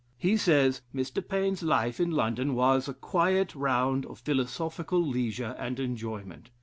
He says, "Mr. Paine's life in London was a quiet round of philosophical leisure and enjoyment.